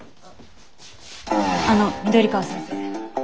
あの緑川先生。